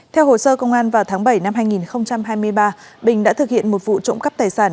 theo hồ sơ công an vào tháng bảy năm hai nghìn hai mươi ba bình đã thực hiện một vụ trộm cắp tài sản